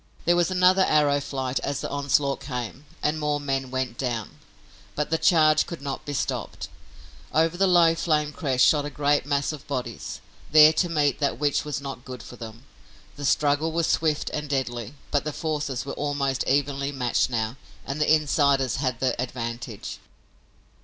There was another arrow flight as the onslaught came, and more men went down, but the charge could not be stopped. Over the low flame crests shot a great mass of bodies, there to meet that which was not good for them. The struggle was swift and deadly, but the forces were almost evenly matched now and the insiders had the advantage.